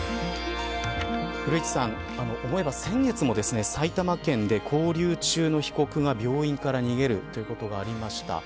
古市さん、思えば先月も埼玉県で勾留中の被告が病院から逃げるということがありました。